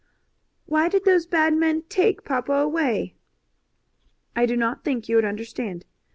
"Why did those bad men take papa away?" "I do not think you would understand.